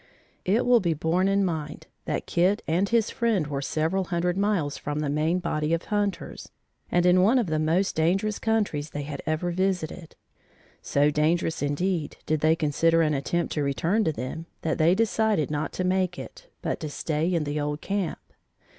It will be borne in mind that Kit and his friend were several hundred miles from the main body of hunters, and in one of the most dangerous countries they had ever visited. So dangerous, indeed, did they consider an attempt to return to them, that they decided not to make it, but to stay in the old camp.